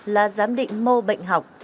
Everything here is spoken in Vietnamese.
là giám định mô bệnh học